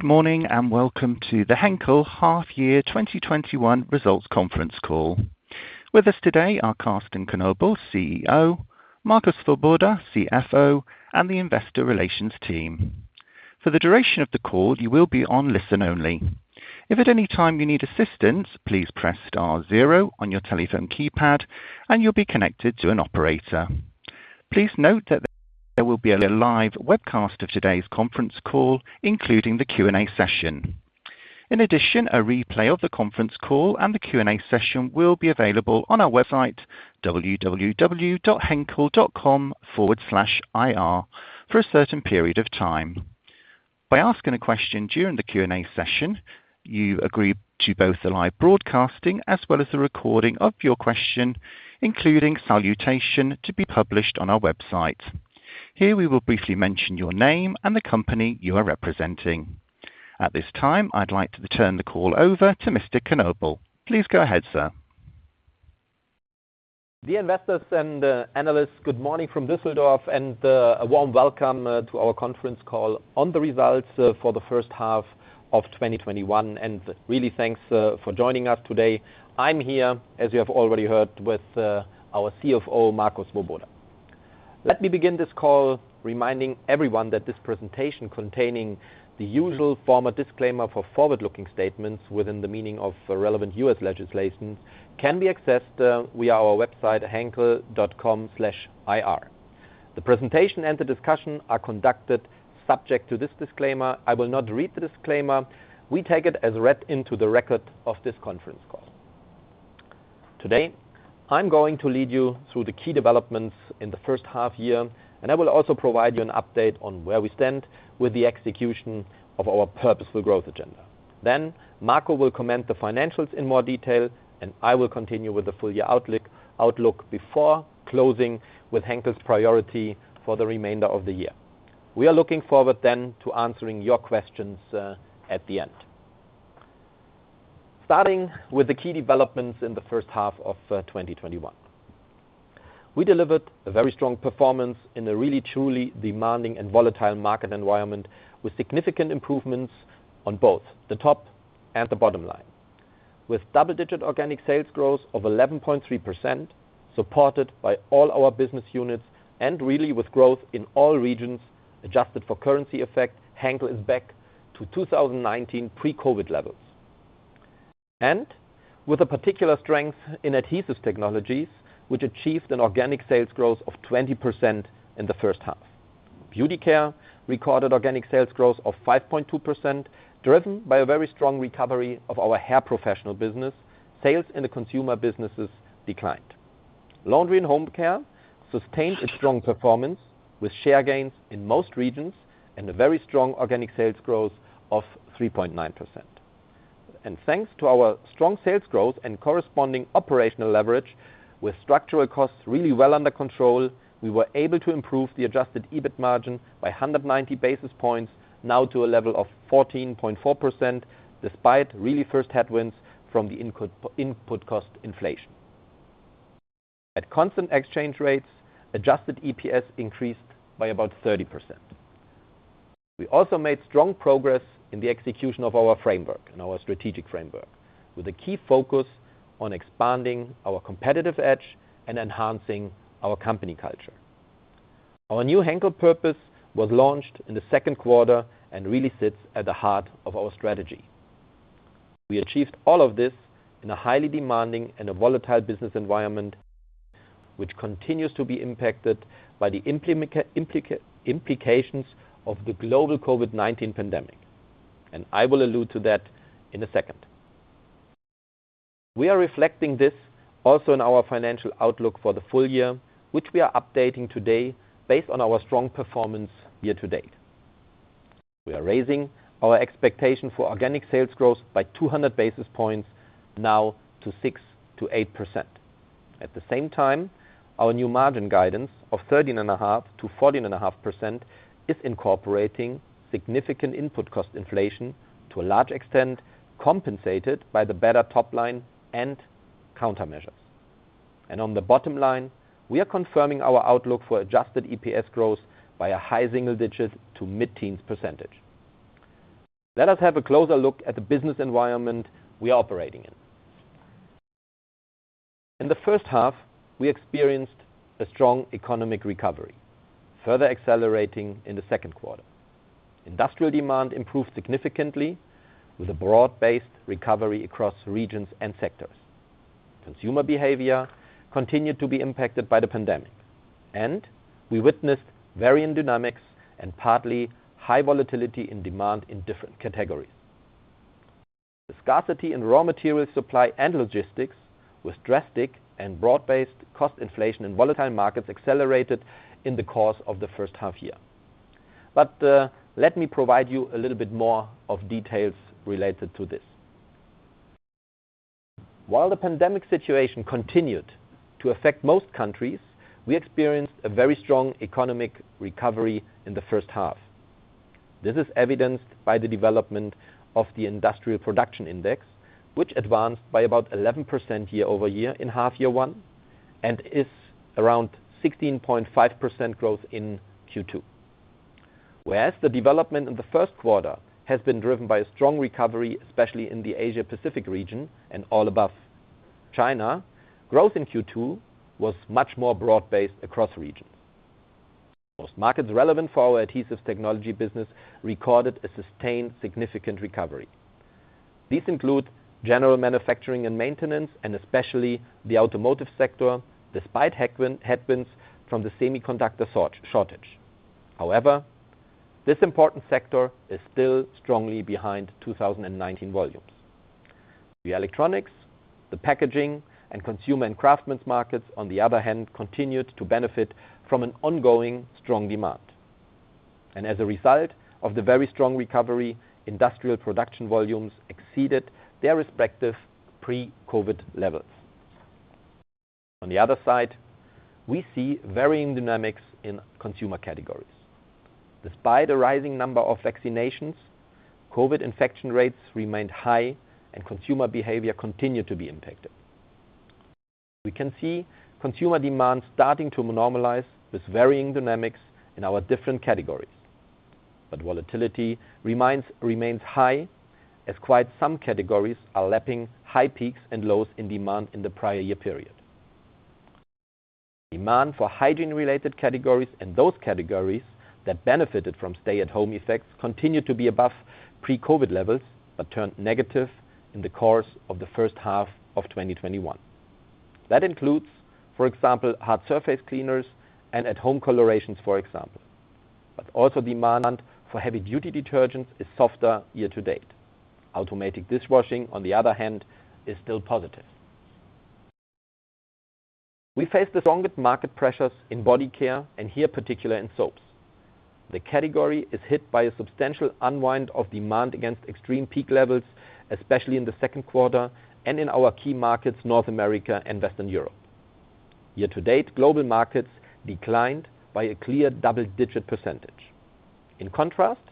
Good morning. Welcome to the Henkel Half-Year 2021 Results Conference Call. With us today are Carsten Knobel, CEO, Marco Swoboda, CFO, and the investor relations team. For the duration of the call, you will be on listen only. If at any time you need assistance, please press star zero on your telephone keypad, and you will be connected to an operator. Please note that there will be a live webcast of today's conference call, including the Q&A session. In addition, a replay of the conference call and the Q&A session will be available on our website, www.henkel.com/ir, for a certain period of time. By asking a question during the Q&A session, you agree to both the live broadcasting as well as the recording of your question, including salutation, to be published on our website. Here, we will briefly mention your name and the company you are representing. At this time, I'd like to turn the call over to Mr. Knobel. Please go ahead, sir. Dear investors and analysts, good morning from Düsseldorf and a warm welcome to our conference call on the results for the first half of 2021. Really, thanks for joining us today. I'm here, as you have already heard, with our CFO, Marco Swoboda. Let me begin this call reminding everyone that this presentation, containing the usual formal disclaimer for forward-looking statements within the meaning of relevant U.S. legislation, can be accessed via our website, henkel.com/ir. The presentation and the discussion are conducted subject to this disclaimer. I will not read the disclaimer. We take it as read into the record of this conference call. Today, I'm going to lead you through the key developments in the first half year, and I will also provide you an update on where we stand with the execution of our purposeful growth agenda. Marco will comment the financials in more detail, and I will continue with the full year outlook before closing with Henkel's priority for the remainder of the year. We are looking forward then to answering your questions at the end. Starting with the key developments in the first half of 2021. We delivered a very strong performance in a really, truly demanding and volatile market environment, with significant improvements on both the top and the bottom line. Double-digit organic sales growth of 11.3%, supported by all our business units and really with growth in all regions, adjusted for currency effect, Henkel is back to 2019 pre-COVID-19 levels. With a particular strength in Adhesive Technologies, which achieved an organic sales growth of 20% in the first half. Beauty Care recorded organic sales growth of 5.2%, driven by a very strong recovery of our hair professional business. Sales in the consumer businesses declined. Laundry and Home Care sustained a strong performance with share gains in most regions and a very strong organic sales growth of 3.9%. Thanks to our strong sales growth and corresponding operational leverage with structural costs really well under control, we were able to improve the adjusted EBIT margin by 190 basis points, now to a level of 14.4%, despite really first headwinds from the input cost inflation. At constant exchange rates, adjusted EPS increased by about 30%. We also made strong progress in the execution of our framework, in our strategic framework, with a key focus on expanding our competitive edge and enhancing our company culture. Our new Henkel purpose was launched in the second quarter and really sits at the heart of our strategy. We achieved all of this in a highly demanding and a volatile business environment, which continues to be impacted by the implications of the global COVID-19 pandemic. I will allude to that in a second. We are reflecting this also in our financial outlook for the full year, which we are updating today based on our strong performance year to date. We are raising our expectation for organic sales growth by 200 basis points, now to 6%-8%. At the same time, our new margin guidance of 13.5%-14.5% is incorporating significant input cost inflation to a large extent, compensated by the better top line and countermeasures. On the bottom line, we are confirming our outlook for adjusted EPS growth by a high single digits to mid-teens percentage. Let us have a closer look at the business environment we are operating in. In the first half, we experienced a strong economic recovery, further accelerating in the second quarter. Industrial demand improved significantly with a broad-based recovery across regions and sectors. Consumer behavior continued to be impacted by the pandemic. We witnessed varying dynamics and partly high volatility in demand in different categories. The scarcity in raw material supply and logistics was drastic. Broad-based cost inflation and volatile markets accelerated in the course of the first half year. Let me provide you a little bit more of details related to this. While the pandemic situation continued to affect most countries, we experienced a very strong economic recovery in the first half. This is evidenced by the development of the industrial production index, which advanced by about 11% year-over-year in half year one. Is around 16.5% growth in Q2. Whereas the development in the first quarter has been driven by a strong recovery, especially in the Asia Pacific region and above all China, growth in Q2 was much more broad-based across regions. Most markets relevant for our Adhesive Technologies business recorded a sustained significant recovery. These include general manufacturing and maintenance, and especially the automotive sector, despite headwinds from the semiconductor shortage. However, this important sector is still strongly behind 2019 volumes. The electronics, the packaging, and consumer and craftsman markets, on the other hand, continued to benefit from an ongoing strong demand. As a result of the very strong recovery, industrial production volumes exceeded their respective pre-COVID-19 levels. On the other side, we see varying dynamics in consumer categories. Despite a rising number of vaccinations, COVID-19 infection rates remained high and consumer behavior continued to be impacted. We can see consumer demand starting to normalize with varying dynamics in our different categories. Volatility remains high, as quite some categories are lapping high peaks and lows in demand in the prior year period. Demand for hygiene-related categories and those categories that benefited from stay-at-home effects continued to be above pre-COVID-19 levels, but turned negative in the course of the first half of 2021. That includes, for example, hard surface cleaners and at-home colorations, for example. Also demand for heavy-duty detergent is softer year to date. Automatic dishwashing, on the other hand, is still positive. We face the strongest market pressures in body care, and here particular in soaps. The category is hit by a substantial unwind of demand against extreme peak levels, especially in the second quarter and in our key markets, North America and Western Europe. Year to date, global markets declined by a clear double-digit %. In contrast,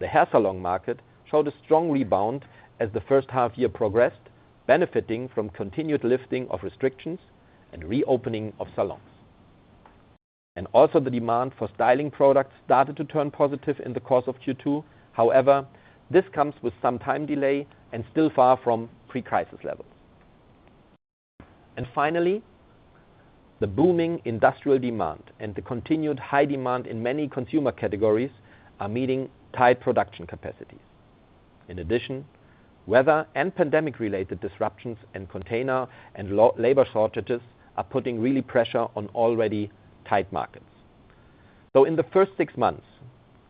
the hair salon market showed a strong rebound as the first half-year progressed, benefiting from continued lifting of restrictions and reopening of salons. The demand for styling products started to turn positive in the course of Q2. However, this comes with some time delay and still far from pre-crisis levels. Finally, the booming industrial demand and the continued high demand in many consumer categories are meeting tight production capacities. In addition, weather and pandemic-related disruptions and container and labor shortages are putting real pressure on already tight markets. In the first six months,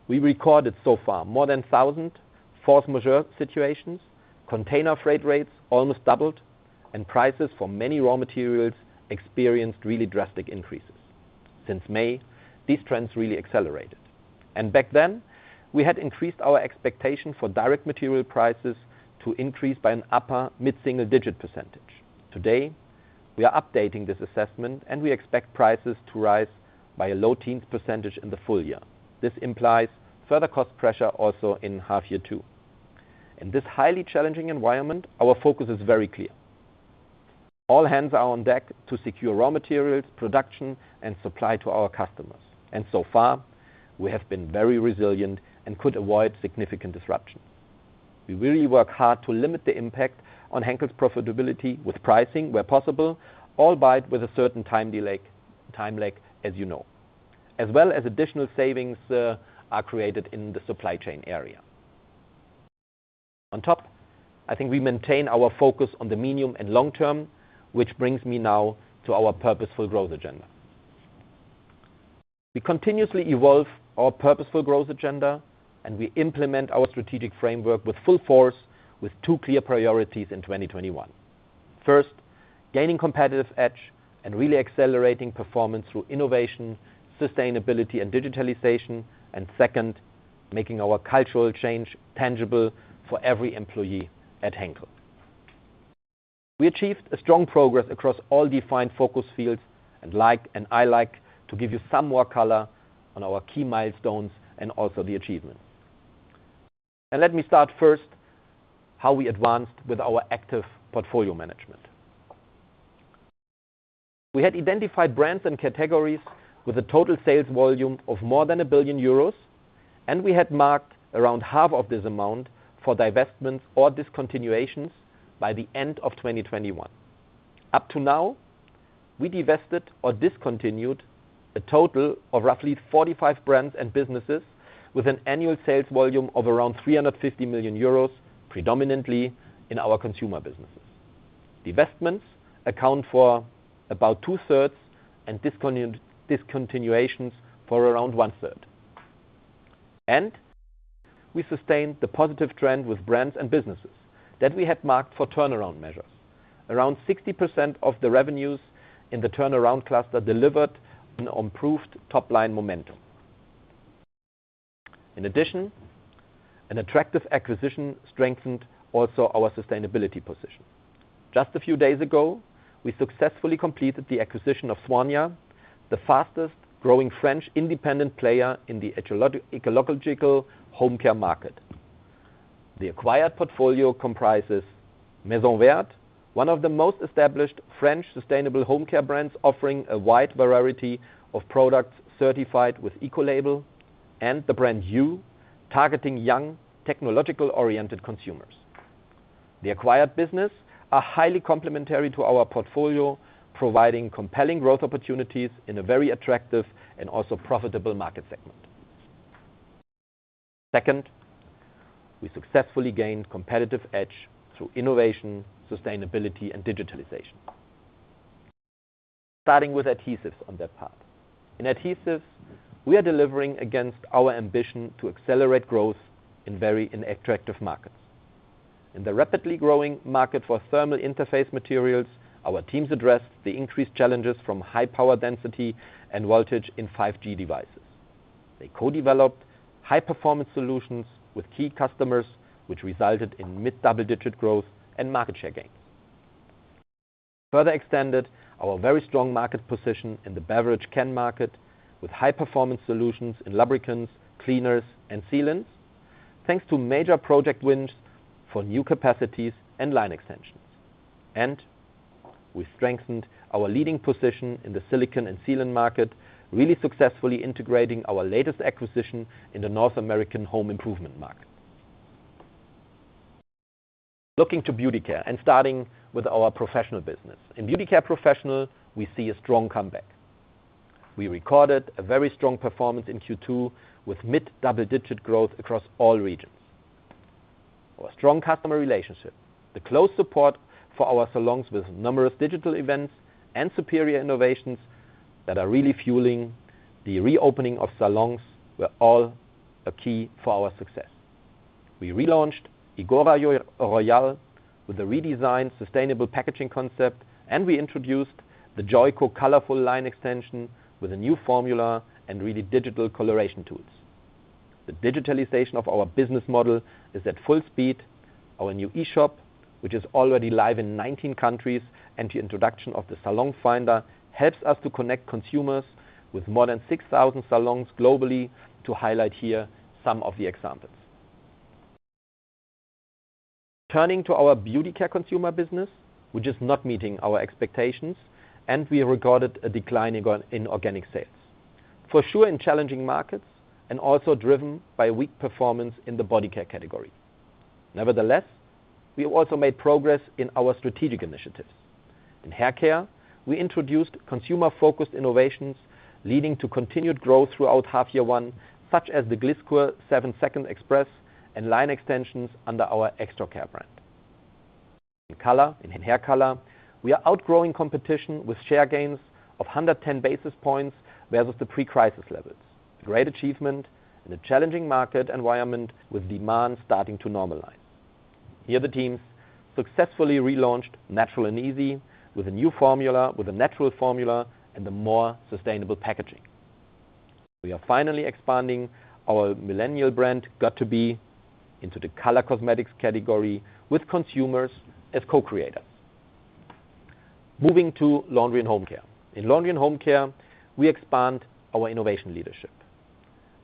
we recorded so far more than 1,000 force majeure situations, container freight rates almost doubled, and prices for many raw materials experienced really drastic increases. Since May, these trends really accelerated. Back then, we had increased our expectation for direct material prices to increase by an upper mid-single-digit %. Today, we are updating this assessment, and we expect prices to rise by a low teen percentage in the full year. This implies further cost pressure also in half year two. In this highly challenging environment, our focus is very clear. All hands are on deck to secure raw materials, production, and supply to our customers. So far, we have been very resilient and could avoid significant disruption. We really work hard to limit the impact on Henkel's profitability with pricing where possible, albeit with a certain time lag, as you know. As well as additional savings are created in the supply chain area. On top, I think we maintain our focus on the medium and long term, which brings me now to our purposeful growth agenda. We continuously evolve our purposeful growth agenda, and we implement our strategic framework with full force with two clear priorities in 2021. First, gaining competitive edge and really accelerating performance through innovation, sustainability, and digitalization. Second, making our cultural change tangible for every employee at Henkel. We achieved a strong progress across all defined focus fields, and I like to give you some more color on our key milestones and also the achievements. Let me start first how we advanced with our active portfolio management. We had identified brands and categories with a total sales volume of more than 1 billion euros, and we had marked around half of this amount for divestments or discontinuations by the end of 2021. Up to now, we divested or discontinued a total of roughly 45 brands and businesses with an annual sales volume of around 350 million euros, predominantly in our consumer businesses. Divestments account for about two-thirds and discontinuations for around one-third. We sustained the positive trend with brands and businesses that we had marked for turnaround measures. Around 60% of the revenues in the turnaround cluster delivered an improved top-line momentum. In addition, an attractive acquisition strengthened also our sustainability position. Just a few days ago, we successfully completed the acquisition of Swania, the fastest-growing French independent player in the ecological home care market. The acquired portfolio comprises Maison Verte, one of the most established French sustainable home care brands, offering a wide variety of products certified with Ecolabel and the brand YUU, targeting young technological-oriented consumers. The acquired business are highly complementary to our portfolio, providing compelling growth opportunities in a very attractive and also profitable market segment. Second, we successfully gained competitive edge through innovation, sustainability, and digitalization. Starting with adhesives on that part. In adhesives, we are delivering against our ambition to accelerate growth in very attractive markets. In the rapidly growing market for thermal interface materials, our teams address the increased challenges from high power density and voltage in 5G devices. They co-developed high-performance solutions with key customers, which resulted in mid-double-digit growth and market share gains. Further extended our very strong market position in the beverage can market with high-performance solutions in lubricants, cleaners, and sealants, thanks to major project wins for new capacities and line extensions. We strengthened our leading position in the silicon and sealant market, really successfully integrating our latest acquisition in the North American home improvement market. Looking to Beauty Care and starting with our professional business. In Beauty Care Professional, we see a strong comeback. We recorded a very strong performance in Q2 with mid-double-digit growth across all regions. Our strong customer relationship, the close support for our salons with numerous digital events and superior innovations that are really fueling the reopening of salons were all a key for our success. We relaunched IGORA ROYAL with a redesigned sustainable packaging concept, and we introduced the Joico Colorful line extension with a new formula and really digital coloration tools. The digitalization of our business model is at full speed. Our new e-shop, which is already live in 19 countries, and the introduction of the Salon Finder helps us to connect consumers with more than 6,000 salons globally to highlight here some of the examples. Turning to our Beauty Care business, which is not meeting our expectations, and we recorded a decline in organic sales. For sure in challenging markets and also driven by weak performance in the body care category. Nevertheless, we also made progress in our strategic initiatives. In hair care, we introduced consumer-focused innovations leading to continued growth throughout half year one, such as the Gliss Kur 7 Seconds Express and line extensions under our Extra Care brand. In hair color, we are outgrowing competition with share gains of 110 basis points versus the pre-crisis levels. A great achievement in a challenging market environment with demand starting to normalize. Here, the teams successfully relaunched Natural & Easy with a new formula, with a natural formula and a more sustainable packaging. We are finally expanding our millennial brand, got2b, into the color cosmetics category with consumers as co-creators. Moving to Laundry and Home Care. In Laundry and Home Care, we expand our innovation leadership.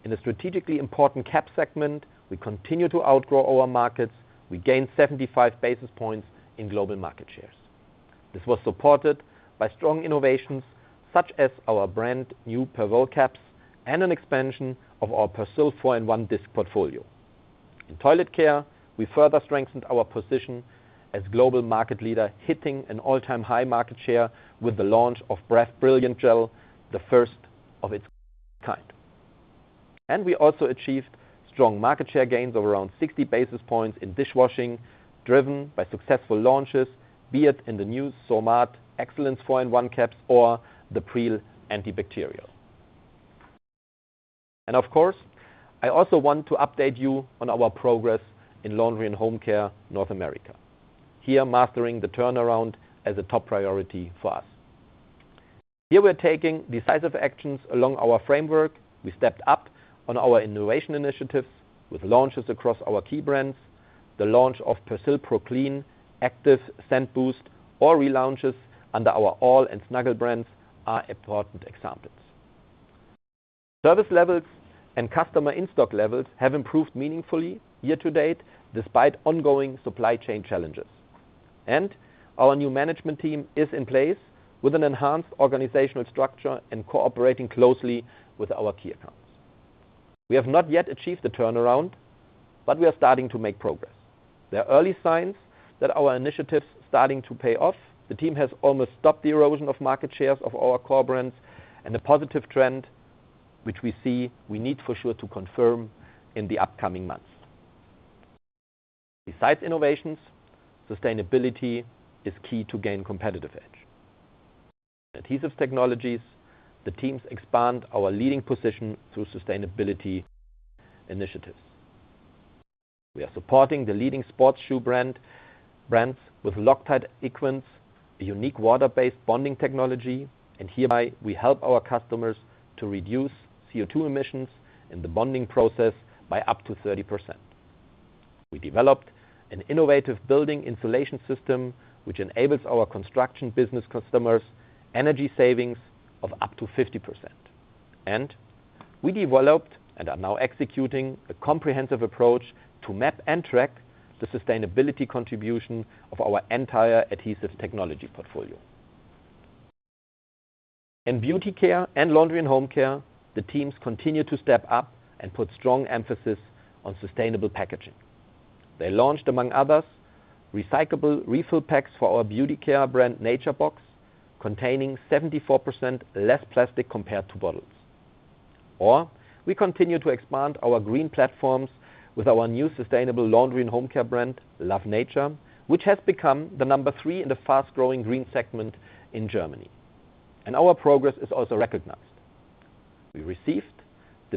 In a strategically important cap segment, we continue to outgrow our markets. We gained 75 basis points in global market shares. This was supported by strong innovations such as our brand new Perwoll caps and an expansion of our Persil 4-in-1 disc portfolio. In toilet care, we further strengthened our position as global market leader, hitting an all-time high market share with the launch of Bref Brilliant Gel, the first of its kind. We also achieved strong market share gains of around 60 basis points in dishwashing, driven by successful launches, be it in the new Somat Excellence 4-in-1 caps or the Pril antibacterial. Of course, I also want to update you on our progress in Laundry and Home Care, North America. Here, mastering the turnaround as a top priority for us. Here, we're taking decisive actions along our framework. We stepped up on our innovation initiatives with launches across our key brands. The launch of Persil ProClean, Active Scent Boost, or relaunches under our all and Snuggle brands are important examples. Service levels and customer in-stock levels have improved meaningfully year to date, despite ongoing supply chain challenges. Our new management team is in place with an enhanced organizational structure and cooperating closely with our key accounts. We have not yet achieved the turnaround, but we are starting to make progress. There are early signs that our initiatives starting to pay off. The team has almost stopped the erosion of market shares of our core brands and a positive trend, which we see we need for sure to confirm in the upcoming months. Besides innovations, sustainability is key to gain competitive edge. In Adhesive Technologies, the teams expand our leading position through sustainability initiatives. We are supporting the leading sports shoe brands with Loctite Aquence, a unique water-based bonding technology. Hereby we help our customers to reduce CO2 emissions in the bonding process by up to 30%. We developed an innovative building insulation system, which enables our construction business customers energy savings of up to 50%. We developed and are now executing a comprehensive approach to map and track the sustainability contribution of our entire adhesive technology portfolio. In Beauty Care and Laundry and Home Care, the teams continue to step up and put strong emphasis on sustainable packaging. They launched, among others, recyclable refill packs for our Beauty Care brand, Nature Box, containing 74% less plastic compared to bottles. We continue to expand our green platforms with our new sustainable laundry and home care brand, Love Nature, which has become the number three in the fast-growing green segment in Germany. Our progress is also recognized. We received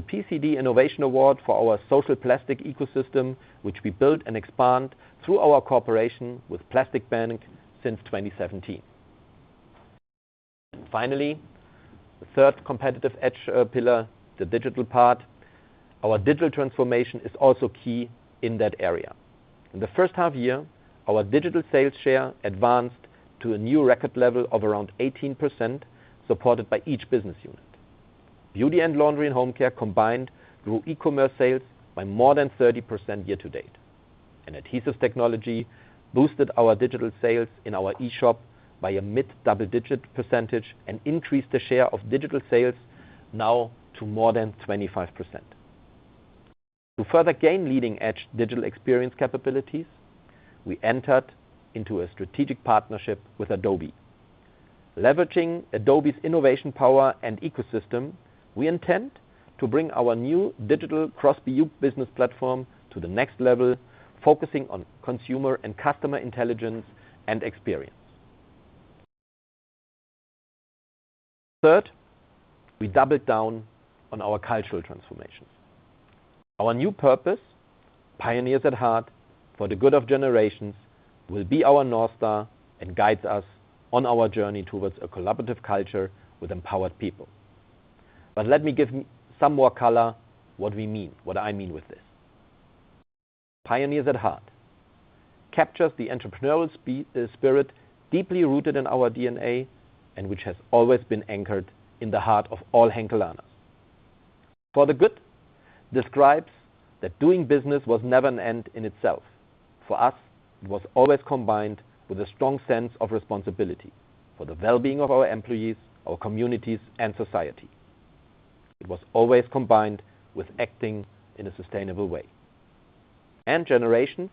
the Packaging Innovation Award for our social plastic ecosystem, which we build and expand through our cooperation with Plastic Bank since 2017. Finally, the third competitive edge pillar, the digital part. Our digital transformation is also key in that area. In the first half-year, our digital sales share advanced to a new record level of around 18%, supported by each business unit. Beauty Care and Laundry & Home Care combined grew e-commerce sales by more than 30% year to date. Adhesive Technologies boosted our digital sales in our e-shop by a mid-double-digit percentage and increased the share of digital sales now to more than 25%. To further gain leading-edge digital experience capabilities, we entered into a strategic partnership with Adobe. Leveraging Adobe's innovation power and ecosystem, we intend to bring our new digital cross-BU business platform to the next level, focusing on consumer and customer intelligence and experience. Third, we doubled down on our cultural transformations. Our new purpose, Pioneers at heart for the good of generations, will be our North Star and guides us on our journey towards a collaborative culture with empowered people. Let me give some more color what I mean with this. Pioneers at heart captures the entrepreneurial spirit deeply rooted in our DNA and which has always been anchored in the heart of all Henkelers. For the good describes that doing business was never an end in itself. For us, it was always combined with a strong sense of responsibility for the well-being of our employees, our communities, and society. It was always combined with acting in a sustainable way. Generations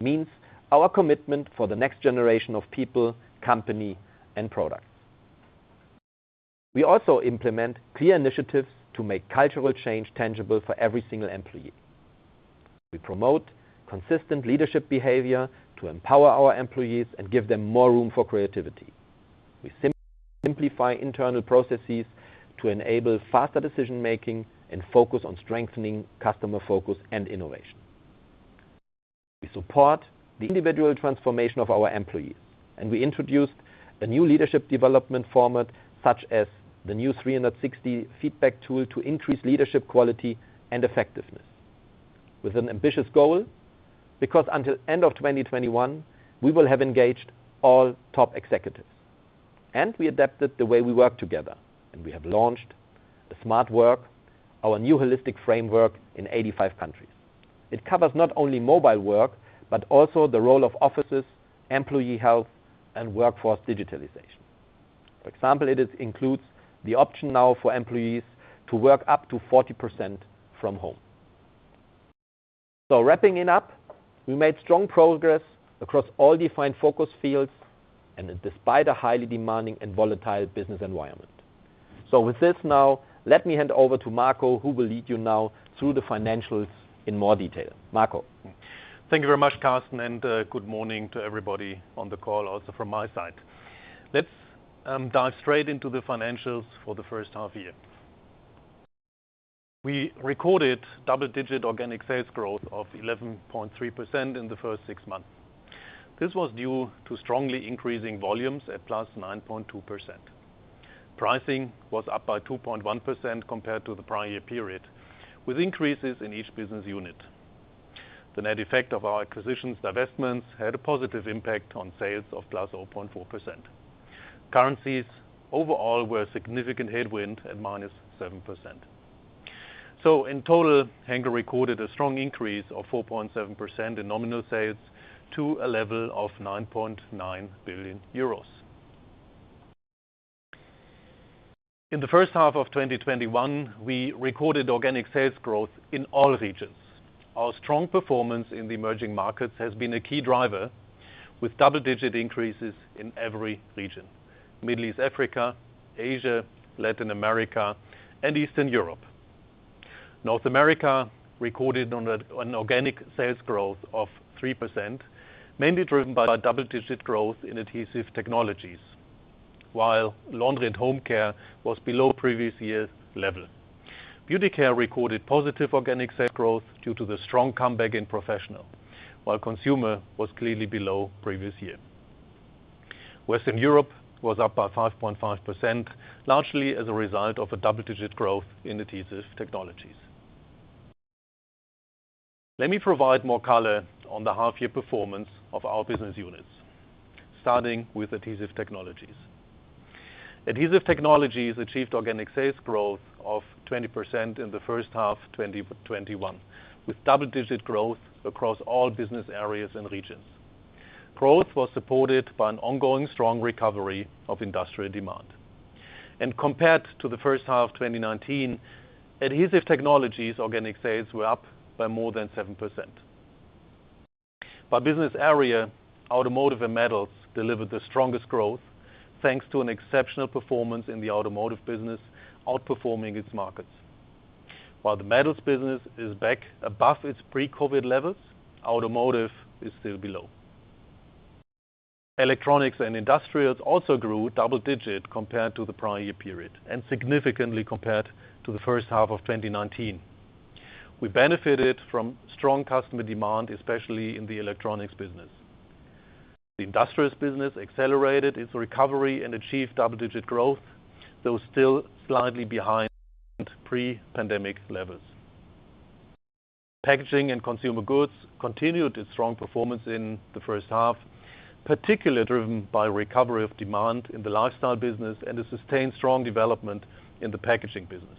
means our commitment for the next generation of people, company, and products. We also implement clear initiatives to make cultural change tangible for every single employee. We promote consistent leadership behavior to empower our employees and give them more room for creativity. We simplify internal processes to enable faster decision-making and focus on strengthening customer focus and innovation. We support the individual transformation of our employees, and we introduced a new leadership development format, such as the new 360 feedback tool to increase leadership quality and effectiveness. With an ambitious goal, because until end of 2021, we will have engaged all top executives. We adapted the way we work together, and we have launched the Smart Work, our new holistic framework in 85 countries. It covers not only mobile work, but also the role of offices, employee health, and workforce digitalization. For example, it includes the option now for employees to work up to 40% from home. Wrapping it up, we made strong progress across all defined focus fields and despite a highly demanding and volatile business environment. With this now, let me hand over to Marco, who will lead you now through the financials in more detail. Marco? Thank you very much, Carsten, good morning to everybody on the call also from my side. Let's dive straight into the financials for the first half year. We recorded double-digit organic sales growth of 11.3% in the first six months. This was due to strongly increasing volumes at +9.2%. Pricing was up by 2.1% compared to the prior year period, with increases in each business unit. The net effect of our acquisitions divestments had a positive impact on sales of +0.4%. Currencies overall were a significant headwind at -7%. In total, Henkel recorded a strong increase of 4.7% in nominal sales to a level of 9.9 billion euros. In the first half of 2021, we recorded organic sales growth in all regions. Our strong performance in the emerging markets has been a key driver, with double-digit increases in every region, Middle East Africa, Asia, Latin America, and Eastern Europe. North America recorded an organic sales growth of 3%, mainly driven by double-digit growth in Adhesive Technologies, while Laundry & Home Care was below previous year's level. Beauty Care recorded positive organic sales growth due to the strong comeback in professional, while consumer was clearly below previous year. Western Europe was up by 5.5%, largely as a result of a double-digit growth in Adhesive Technologies. Let me provide more color on the half-year performance of our business units, starting with Adhesive Technologies. Adhesive Technologies achieved organic sales growth of 20% in the first half 2021, with double-digit growth across all business areas and regions. Growth was supported by an ongoing strong recovery of industrial demand. Compared to the first half of 2019, Adhesive Technologies organic sales were up by more than 7%. By business area, automotive and metals delivered the strongest growth, thanks to an exceptional performance in the automotive business, outperforming its markets. While the metals business is back above its pre-COVID-19 levels, automotive is still below. Electronics and industrials also grew double-digit compared to the prior year period, and significantly compared to the first half of 2019. We benefited from strong customer demand, especially in the electronics business. The industrials business accelerated its recovery and achieved double-digit growth, though still slightly behind pre-pandemic levels. Packaging and consumer goods continued its strong performance in the first half, particularly driven by recovery of demand in the lifestyle business and a sustained strong development in the packaging business.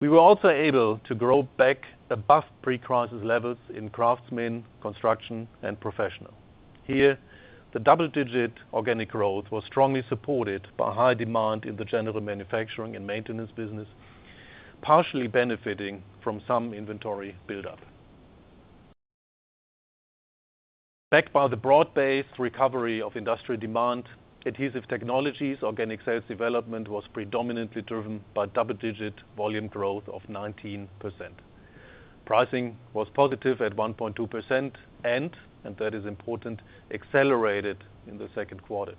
We were also able to grow back above pre-crisis levels in craftsmen, construction, and professional. Here, the double-digit organic growth was strongly supported by high demand in the general manufacturing and maintenance business, partially benefiting from some inventory buildup. Backed by the broad-based recovery of industrial demand, Adhesive Technologies organic sales development was predominantly driven by double-digit volume growth of 19%. Pricing was positive at 1.2% and that is important, accelerated in the second quarter.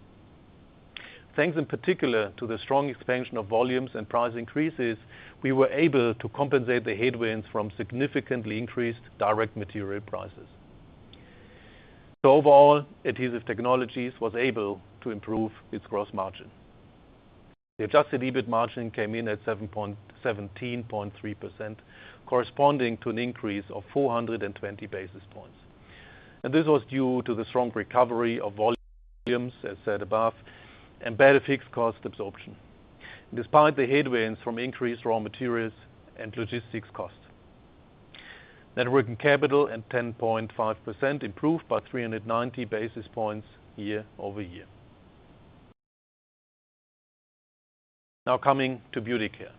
Thanks in particular to the strong expansion of volumes and price increases, we were able to compensate the headwinds from significantly increased direct material prices. Overall, Adhesive Technologies was able to improve its gross margin. The adjusted EBIT margin came in at 17.3%, corresponding to an increase of 420 basis points. This was due to the strong recovery of volumes, as said above, and better fixed cost absorption, despite the headwinds from increased raw materials and logistics costs. Net working capital at 10.5%, improved by 390 basis points year-over-year. Now coming to Beauty Care.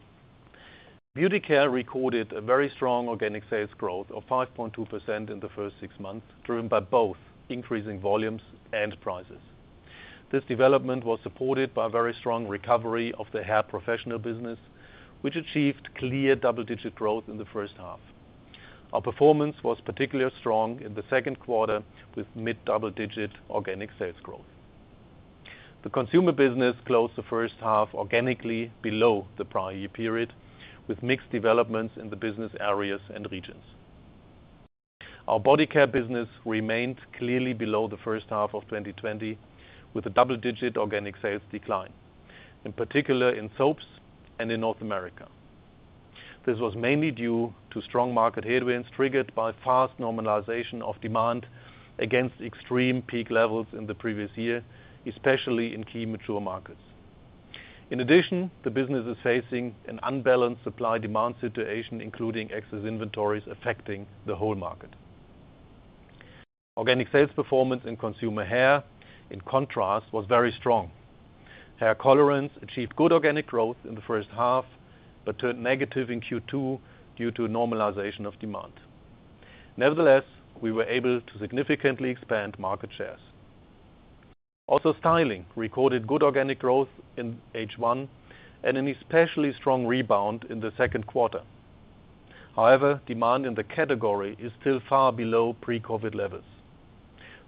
Beauty Care recorded a very strong organic sales growth of 5.2% in the first six months, driven by both increasing volumes and prices. This development was supported by a very strong recovery of the hair professional business, which achieved clear double-digit growth in the first half. Our performance was particularly strong in the second quarter, with mid-double-digit organic sales growth. The consumer business closed the first half organically below the prior year period, with mixed developments in the business areas and regions. Our body care business remained clearly below the first half of 2020, with a double-digit organic sales decline, in particular in soaps and in North America. This was mainly due to strong market headwinds triggered by fast normalization of demand against extreme peak levels in the previous year, especially in key mature markets. In addition, the business is facing an unbalanced supply-demand situation, including excess inventories affecting the whole market. Organic sales performance in consumer hair, in contrast, was very strong. Hair colorants achieved good organic growth in the first half but turned negative in Q2 due to normalization of demand. Nevertheless, we were able to significantly expand market shares. Also, styling recorded good organic growth in H1 and an especially strong rebound in the second quarter. However, demand in the category is still far below pre-COVID-19 levels.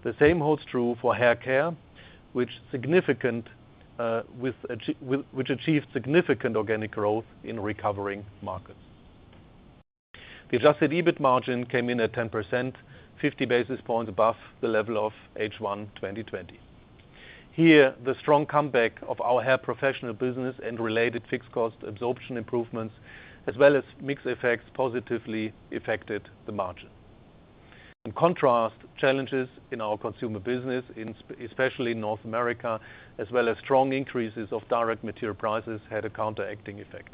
The same holds true for hair care, which achieved significant organic growth in recovering markets. The adjusted EBIT margin came in at 10%, 50 basis points above the level of H1 2020. Here, the strong comeback of our hair professional business and related fixed cost absorption improvements, as well as mix effects, positively affected the margin. In contrast, challenges in our consumer business, especially in North America, as well as strong increases of direct material prices, had a counteracting effect.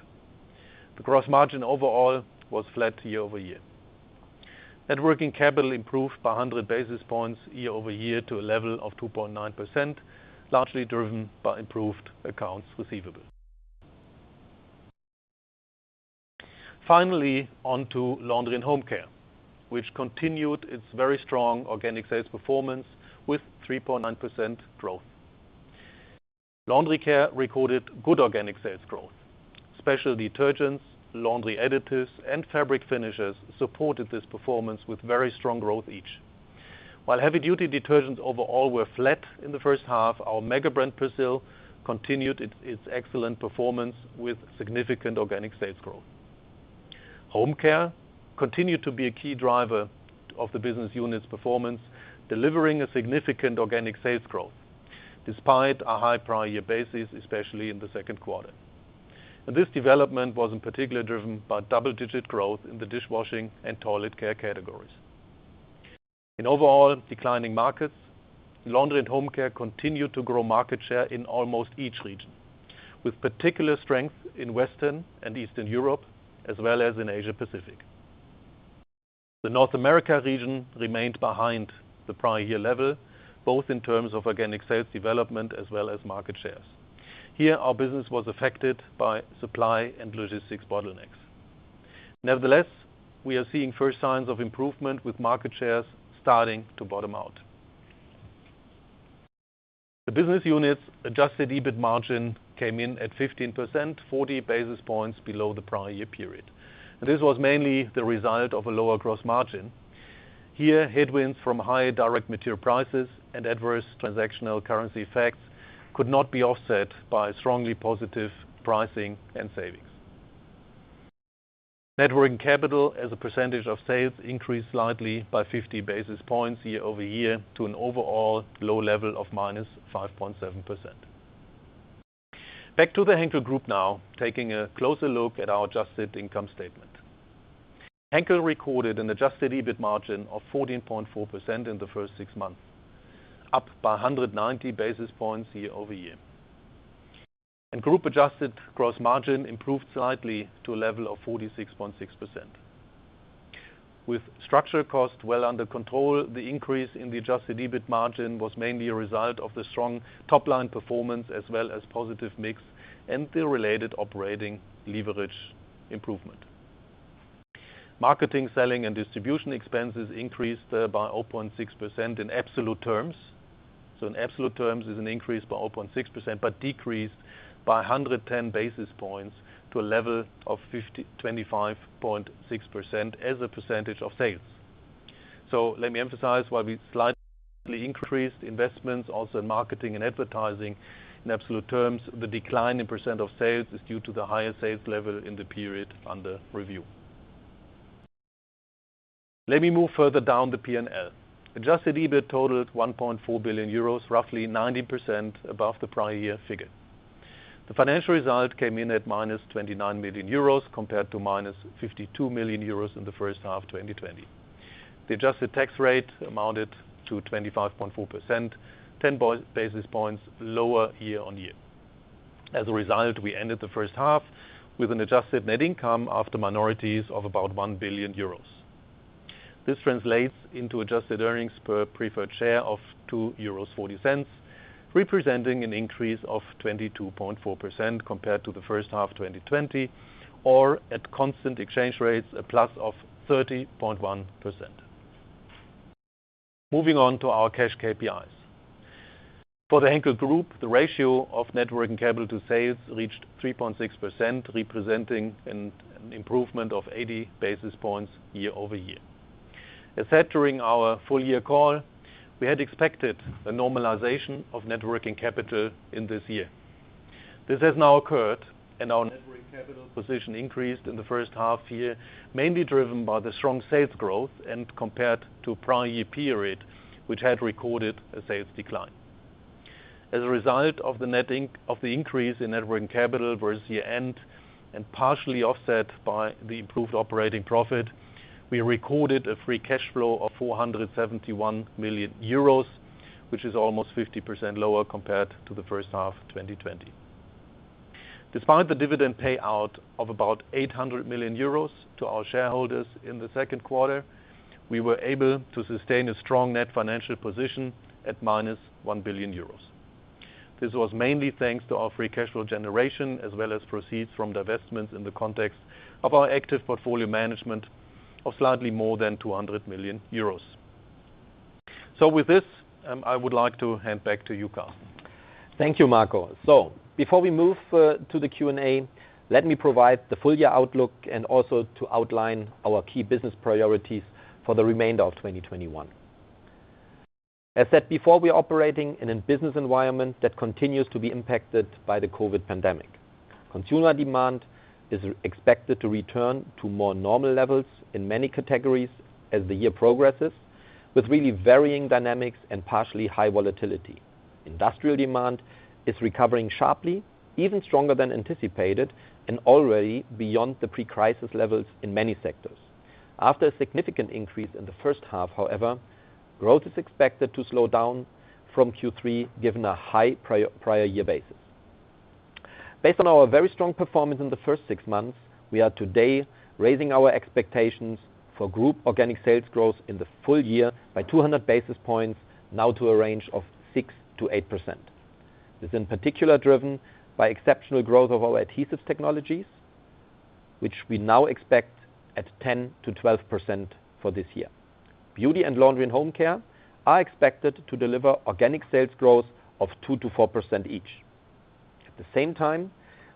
The gross margin overall was flat year-over-year. Net working capital improved by 100 basis points year-over-year to a level of 2.9%, largely driven by improved accounts receivable. Finally, onto Laundry and Home Care, which continued its very strong organic sales performance with 3.9% growth. Laundry Care recorded good organic sales growth. Special detergents, laundry additives, and fabric finishers supported this performance with very strong growth each. While heavy-duty detergents overall were flat in the first half, our mega brand, Persil, continued its excellent performance with significant organic sales growth. Home care continued to be a key driver of the business unit's performance, delivering a significant organic sales growth. Despite a high prior year basis, especially in the second quarter. This development was in particular driven by double-digit growth in the dishwashing and toilet care categories. In overall declining markets, Laundry and Home Care continued to grow market share in almost each region, with particular strength in Western and Eastern Europe, as well as in Asia-Pacific. The North America region remained behind the prior year level, both in terms of organic sales development as well as market shares. Here, our business was affected by supply and logistics bottlenecks. Nevertheless, we are seeing first signs of improvement with market shares starting to bottom out. The business unit's adjusted EBIT margin came in at 15%, 40 basis points below the prior year period. This was mainly the result of a lower gross margin. Here, headwinds from high direct material prices and adverse transactional currency effects could not be offset by strongly positive pricing and savings. Net working capital as a percentage of sales increased slightly by 50 basis points year-over-year to an overall low level of -5.7%. Back to the Henkel Group now, taking a closer look at our adjusted income statement. Henkel recorded an adjusted EBIT margin of 14.4% in the first six months, up by 190 basis points year-over-year. Group adjusted gross margin improved slightly to a level of 46.6%. With structural costs well under control, the increase in the adjusted EBIT margin was mainly a result of the strong top-line performance, as well as positive mix and the related operating leverage improvement. Marketing, selling, and distribution expenses increased by 0.6% in absolute terms. In absolute terms is an increase by 0.6%, but decreased by 110 basis points to a level of 25.6% as a percentage of sales. Let me emphasize while we slightly increased investments also in marketing and advertising in absolute terms, the decline in % of sales is due to the higher sales level in the period under review. Let me move further down the P&L. Adjusted EBIT totaled 1.4 billion euros, roughly 19% above the prior year figure. The financial result came in at -29 million euros compared to -52 million euros in the first half of 2020. The adjusted tax rate amounted to 25.4%, 10 basis points lower year-on-year. As a result, we ended the first half with an adjusted net income after minorities of about 1 billion euros. This translates into adjusted earnings per preferred share of 2.40 euros, representing an increase of 22.4% compared to the first half 2020, or at constant exchange rates, a plus of 30.1%. Moving on to our cash KPIs. For the Henkel Group, the ratio of net working capital to sales reached 3.6%, representing an improvement of 80 basis points year-over-year. As said during our full year call, we had expected a normalization of net working capital in this year. This has now occurred, and our net working capital position increased in the first half year, mainly driven by the strong sales growth and compared to prior year period, which had recorded a sales decline. As a result of the increase in net working capital versus year-end, and partially offset by the improved operating profit, we recorded a free cash flow of 471 million euros, which is almost 50% lower compared to the first half 2020. Despite the dividend payout of about 800 million euros to our shareholders in the second quarter, we were able to sustain a strong net financial position at -1 billion euros. This was mainly thanks to our free cash flow generation as well as proceeds from divestments in the context of our active portfolio management of slightly more than 200 million euros. With this, I would like to hand back to you, Cars. Thank you, Marco. Before we move to the Q&A, let me provide the full year outlook and also to outline our key business priorities for the remainder of 2021. As said before, we are operating in a business environment that continues to be impacted by the COVID pandemic. Consumer demand is expected to return to more normal levels in many categories as the year progresses, with really varying dynamics and partially high volatility. Industrial demand is recovering sharply, even stronger than anticipated, and already beyond the pre-crisis levels in many sectors. After a significant increase in the first half, however, growth is expected to slow down from Q3 given a high prior year basis. Based on our very strong performance in the first six months, we are today raising our expectations for group organic sales growth in the full year by 200 basis points now to a range of 6%-8%. This is in particular driven by exceptional growth of our Adhesive Technologies, which we now expect at 10%-12% for this year. Beauty Care and Laundry and Home Care are expected to deliver organic sales growth of 2%-4% each. At the same time,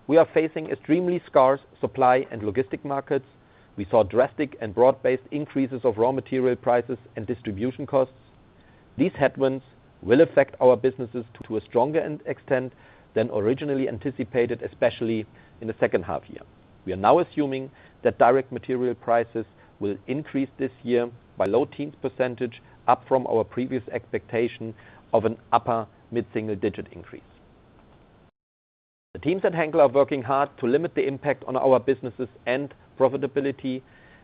we are facing extremely scarce supply and logistics markets. We saw drastic and broad-based increases of raw material prices and distribution costs. These headwinds will affect our businesses to a stronger extent than originally anticipated, especially in the second half year. We are now assuming that direct material prices will increase this year by low teens %, up from our previous expectation of an upper mid-single-digit increase. The teams at Henkel are working hard to limit the impact on our businesses and profitability.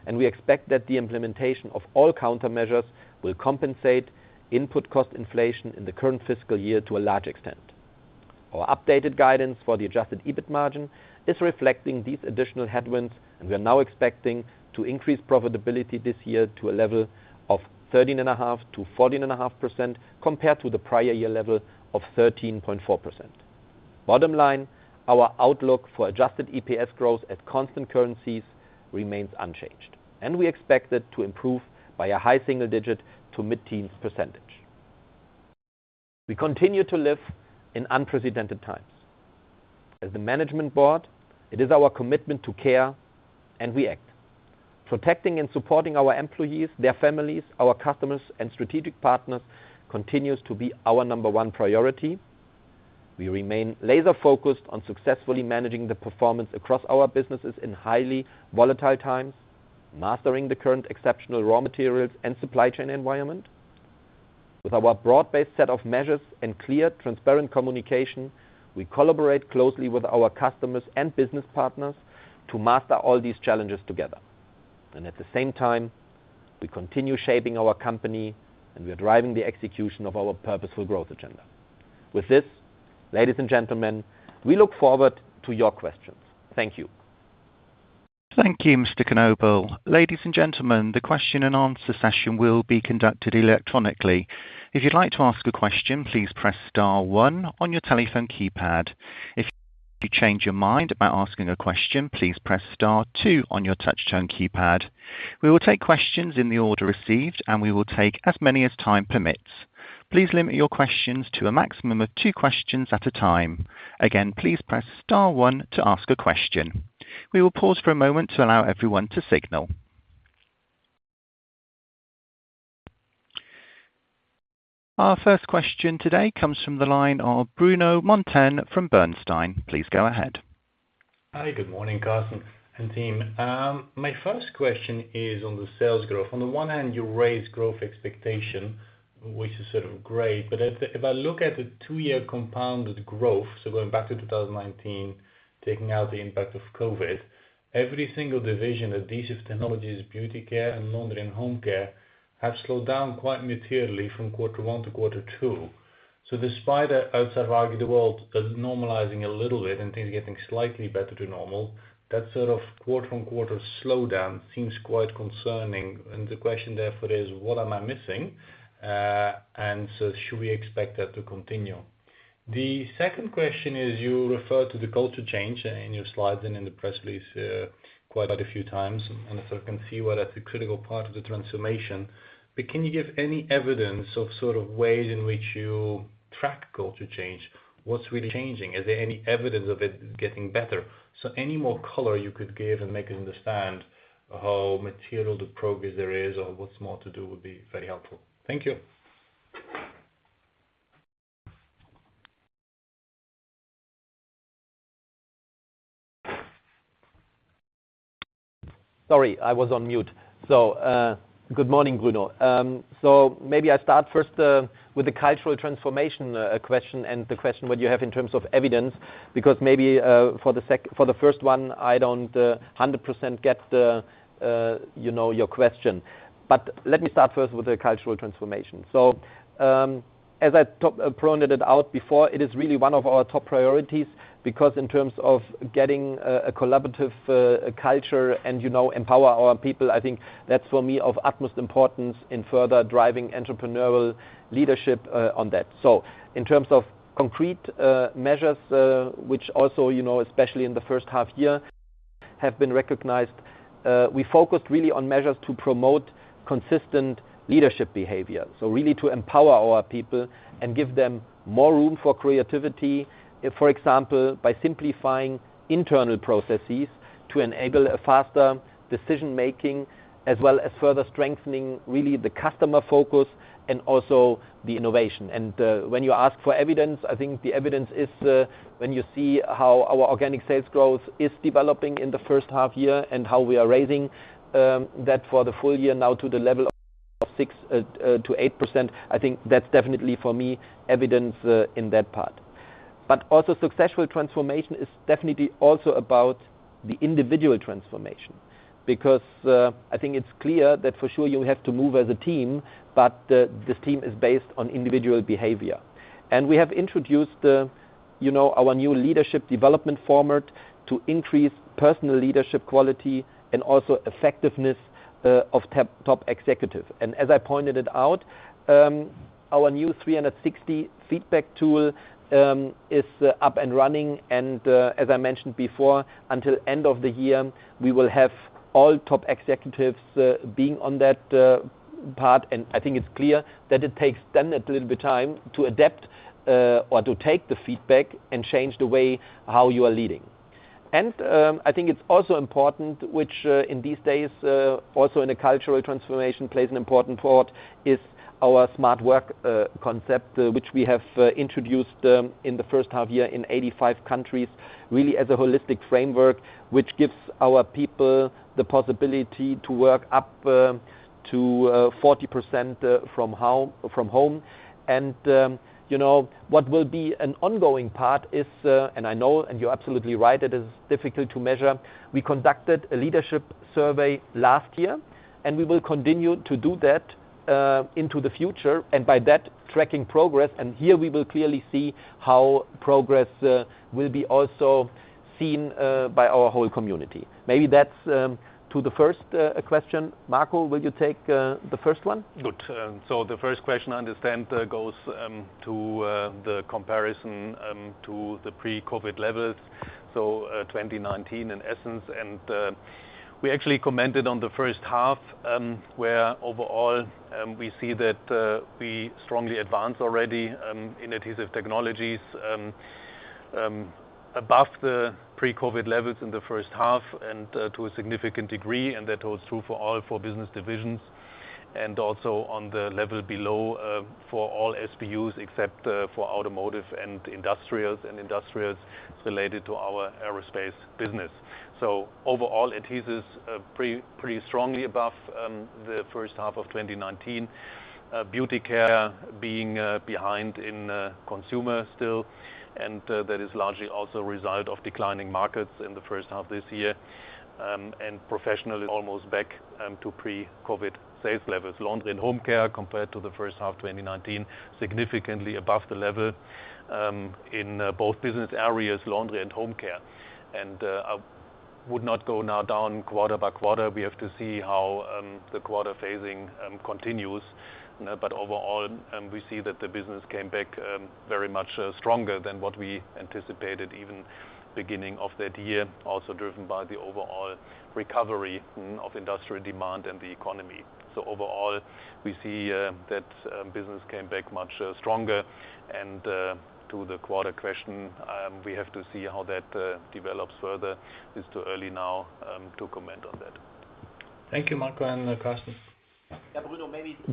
We expect that the implementation of all countermeasures will compensate input cost inflation in the current fiscal year to a large extent. Our updated guidance for the adjusted EBIT margin is reflecting these additional headwinds. We are now expecting to increase profitability this year to a level of 13.5%-14.5%, compared to the prior year level of 13.4%. Bottom line, our outlook for adjusted EPS growth at constant currencies remains unchanged. We expect it to improve by a high single-digit to mid-teens percentage. We continue to live in unprecedented times. As the management board, it is our commitment to care. We act. Protecting and supporting our employees, their families, our customers, and strategic partners continues to be our number one priority. We remain laser-focused on successfully managing the performance across our businesses in highly volatile times, mastering the current exceptional raw materials and supply chain environment. With our broad-based set of measures and clear, transparent communication, we collaborate closely with our customers and business partners to master all these challenges together. At the same time, we continue shaping our company, and we are driving the execution of our purposeful growth agenda. With this, ladies and gentlemen, we look forward to your questions. Thank you. Thank you, Mr. Knobel. Ladies and gentlemen, the question-and-answer session will be conducted electronically. If you'd like to ask a question, please press star one on your telephone keypad. If you change your mind about asking a question, please press star two on your touchtone keypad. We will take questions in the order received, and we will take as many as time permits. Please limit your questions to a maximum of two questions at a time. Again, please press star one to ask a question. We will pause for a moment to allow everyone to signal. Our first question today comes from the line of Bruno Monteyne from Bernstein. Please go ahead. Hi, good morning, Carsten and team. My first question is on the sales growth. On the one hand, you raise growth expectation, which is sort of great. If I look at the two-year compounded growth, so going back to 2019, taking out the impact of COVID-19, every single division, Adhesive Technologies, Beauty Care, and Laundry and Home Care, have slowed down quite materially from Q1 to Q2. Despite, I would argue, the world normalizing a little bit and things getting slightly better to normal, that sort of quarter-on-quarter slowdown seems quite concerning. The question therefore is, what am I missing? Should we expect that to continue? The second question is, you refer to the culture change in your slides and in the press release quite a few times, and I can see why that's a critical part of the transformation. Can you give any evidence of ways in which you track culture change? What's really changing? Is there any evidence of it getting better? Any more color you could give and make us understand how material the progress there is or what's more to do would be very helpful. Thank you. Sorry, I was on mute. Good morning, Bruno. Maybe I start first with the cultural transformation question and the question what you have in terms of evidence, because maybe, for the first one, I don't 100% get your question. Let me start first with the cultural transformation. As I pointed it out before, it is really one of our top priorities, because in terms of getting a collaborative culture and empower our people, I think that's for me of utmost importance in further driving entrepreneurial leadership on that. In terms of concrete measures, which also, especially in the first half year, have been recognized, we focused really on measures to promote consistent leadership behavior. Really to empower our people and give them more room for creativity, for example, by simplifying internal processes to enable a faster decision-making, as well as further strengthening really the customer focus and also the innovation. When you ask for evidence, I think the evidence is when you see how our organic sales growth is developing in the first half year and how we are raising that for the full year now to the level of 6%-8%, I think that's definitely for me, evidence in that part. Also successful transformation is definitely also about the individual transformation. Because I think it's clear that for sure you have to move as a team, but this team is based on individual behavior. We have introduced our new leadership development format to increase personal leadership quality and also effectiveness of top executives. As I pointed it out, our new 360 feedback tool is up and running, as I mentioned before, until end of the year, we will have all top executives being on that part. I think it's clear that it takes them a little bit of time to adapt or to take the feedback and change the way how you are leading. I think it's also important, which in these days, also in a cultural transformation, plays an important part, is our Smart Work concept, which we have introduced in the first half-year in 85 countries, really as a holistic framework, which gives our people the possibility to work up to 40% from home. What will be an ongoing part is, and I know, and you're absolutely right, it is difficult to measure. We conducted a leadership survey last year, and we will continue to do that into the future, and by that, tracking progress, and here we will clearly see how progress will be also seen by our whole community. Maybe that's to the first question. Marco, will you take the first one? Good. The first question, I understand, goes to the comparison to the pre-COVID levels, 2019 in essence. We actually commented on the first half, where overall, we see that we strongly advanced already in Adhesive Technologies above the pre-COVID levels in the first half and to a significant degree. That holds true for all four business divisions and also on the level below for all SBUs, except for automotive and industrials, and industrials related to our aerospace business. Overall, adhesives are pretty strongly above the first half of 2019. Beauty Care being behind in consumer still, and that is largely also a result of declining markets in the first half of this year. Professional is almost back to pre-COVID sales levels. Laundry and Home Care, compared to the first half of 2019, significantly above the level in both business areas, Laundry and Home Care. I would not go now down quarter by quarter. We have to see how the quarter phasing continues. Overall, we see that the business came back very much stronger than what we anticipated even at the beginning of that year, also driven by the overall recovery of industrial demand and the economy. Overall, we see that business came back much stronger. To the quarter question, we have to see how that develops further. It's too early now to comment on that. Thank you, Marco and Carsten. Yeah, Bruno, maybe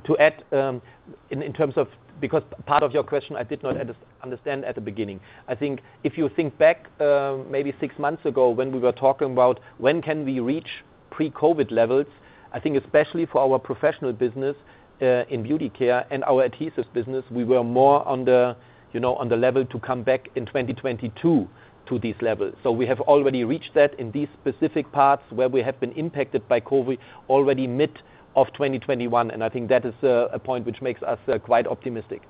to add because part of your question I did not understand at the beginning. I think if you think back maybe six months ago when we were talking about when can we reach pre-COVID levels, I think especially for our Professional business in Beauty Care and our adhesives business, we were more on the level to come back in 2022 to these levels. We have already reached that in these specific parts where we have been impacted by COVID already mid-2021, and I think that is a point which makes us quite optimistic.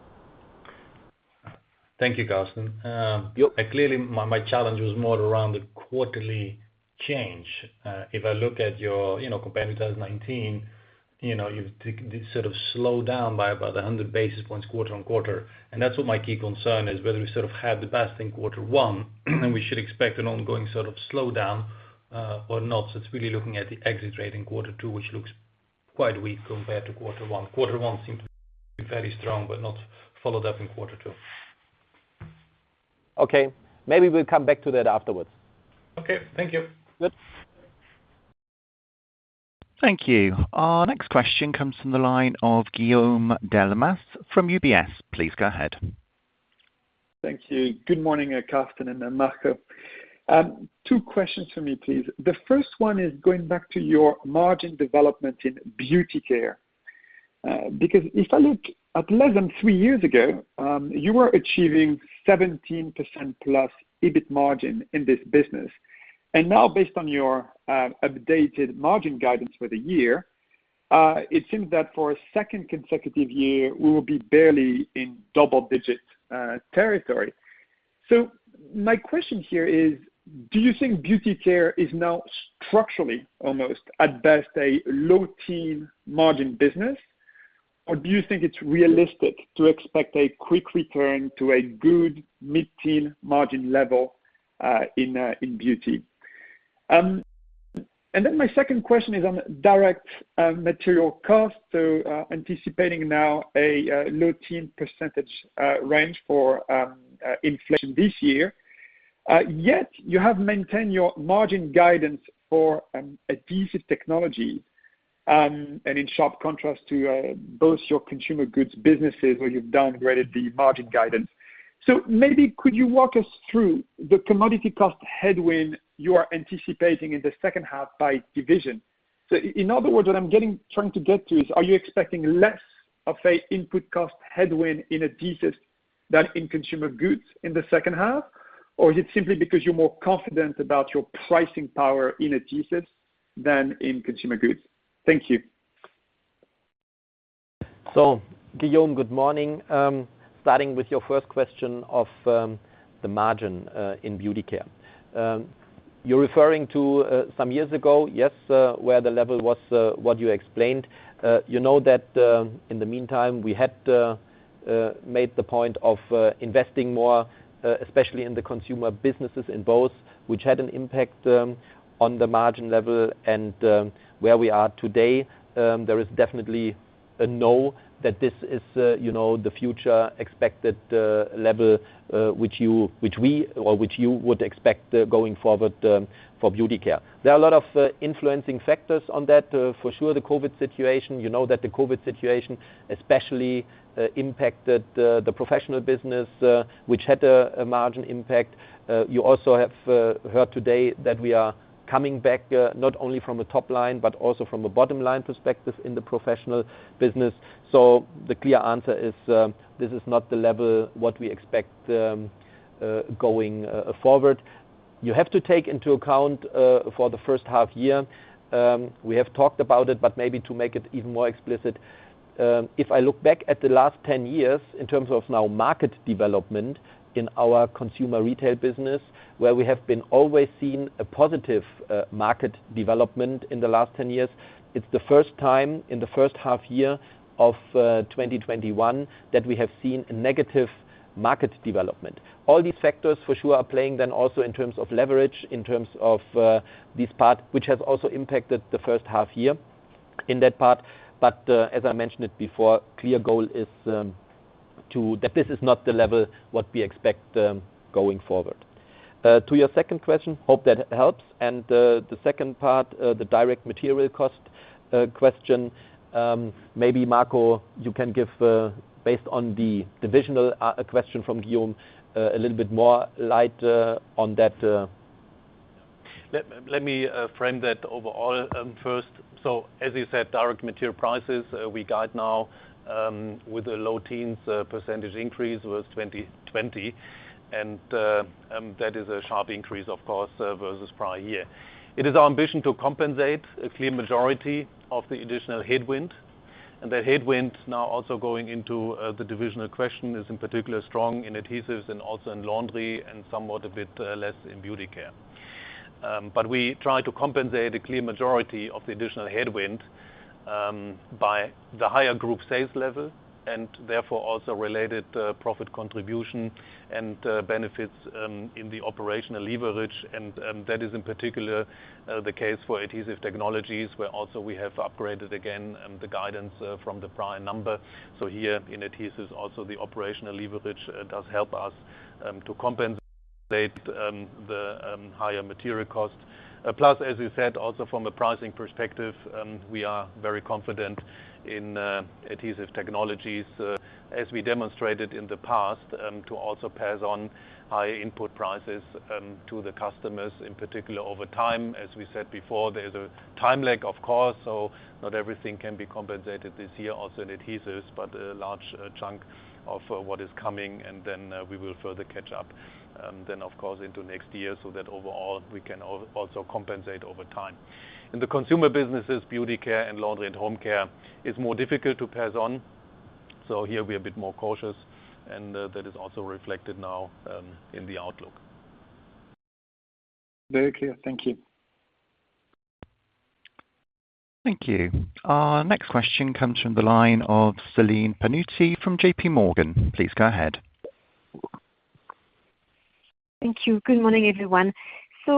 Thank you, Carsten. Yep. Clearly, my challenge was more around the quarterly change. If I look at your compared to 2019, you did sort of slow down by about 100 basis points quarter-on-quarter. That's what my key concern is, whether we sort of had the best in quarter one and we should expect an ongoing sort of slowdown or not. It's really looking at the exit rate in quarter two, which looks quite weak compared to quarter one. Quarter one seemed to be very strong but not followed up in quarter two. Okay. Maybe we'll come back to that afterwards. Okay. Thank you. Good. Thank you. Our next question comes from the line of Guillaume Delmas from UBS. Please go ahead. Thank you. Good morning, Carsten Knobel and Marco Swoboda. Two questions from me, please. The first one is going back to your margin development in Beauty Care. If I look at less than three years ago, you were achieving 17%+ EBIT margin in this business. Now based on your updated margin guidance for the year, it seems that for a second consecutive year, we will be barely in double-digit territory. My question here is: Do you think Beauty Care is now structurally almost at best a low-teen margin business? Do you think it's realistic to expect a quick return to a good mid-teen margin level in Beauty? My second question is on direct material cost. Anticipating now a low-teen percentage range for inflation this year. Yet, you have maintained your margin guidance for Adhesive Technologies and in sharp contrast to both your consumer goods businesses where you've downgraded the margin guidance. Maybe could you walk us through the commodity cost headwind you are anticipating in the second half by division? In other words, what I'm trying to get to is, are you expecting less of a input cost headwind in adhesives than in consumer goods in the second half? Or is it simply because you're more confident about your pricing power in adhesives than in consumer goods? Thank you. Guillaume, good morning. Starting with your first question of the margin in Beauty Care. You are referring to some years ago, yes, where the level was what you explained. You know that in the meantime, we had made the point of investing more, especially in the consumer businesses in both, which had an impact on the margin level. Where we are today, there is definitely now that this is the future expected level which we, or which you would expect going forward for Beauty Care. There are a lot of influencing factors on that. The COVID situation, you know that the COVID situation especially impacted the professional business, which had a margin impact. You also have heard today that we are coming back not only from a top line, but also from a bottom-line perspective in the professional business. The clear answer is, this is not the level what we expect going forward. You have to take into account for the first half year, we have talked about it, but maybe to make it even more explicit. If I look back at the last 10 years in terms of now market development in our consumer retail business, where we have been always seeing a positive market development in the last 10 years, it's the first time in the first half year of 2021 that we have seen a negative market development. All these factors for sure are playing then also in terms of leverage, in terms of this part, which has also impacted the first half year in that part. As I mentioned it before, clear goal is that this is not the level what we expect going forward. To your second question, hope that helps. The second part, the direct material cost question, maybe Marco, you can give, based on the divisional question from Guillaume, a little bit more light on that. Let me frame that overall first. As you said, direct material prices, we guide now with a low teens percentage increase with 2020. That is a sharp increase, of course, versus prior year. It is our ambition to compensate a clear majority of the additional headwind, and that headwind now also going into the divisional question is in particular strong in Adhesives and also in Laundry and somewhat a bit less in Beauty Care. We try to compensate a clear majority of the additional headwind by the higher group sales level and therefore also related profit contribution and benefits in the operational leverage and that is in particular the case for Adhesive Technologies, where also we have upgraded again the guidance from the prior number. Here in Adhesives, also the operational leverage does help us to compensate the higher material cost. As you said, also from a pricing perspective, we are very confident in Adhesive Technologies, as we demonstrated in the past, to also pass on higher input prices to the customers in particular over time. As we said before, there's a time lag, of course, so not everything can be compensated this year also in adhesives, but a large chunk of what is coming and then we will further catch up then of course into next year so that overall we can also compensate over time. In the consumer businesses, Beauty Care and Laundry and Home Care, it's more difficult to pass on. Here we are a bit more cautious and that is also reflected now in the outlook. Very clear. Thank you. Thank you. Our next question comes from the line of Celine Pannuti from JPMorgan. Please go ahead. Thank you. Good morning, everyone.